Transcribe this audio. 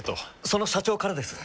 その社長からです。